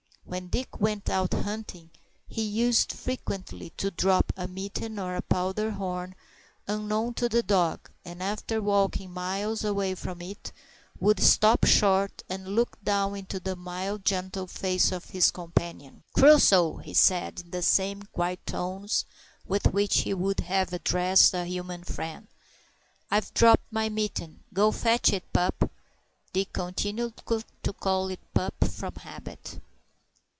When Dick went out hunting, he used frequently to drop a mitten or a powder horn unknown to the dog, and after walking miles away from it, would stop short and look down into the mild, gentle face of his companion. "Crusoe," he said, in the same quiet tones with which he would have addressed a human friend, "I've dropped my mitten; go fetch it, pup." Dick continued to call it "pup" from habit.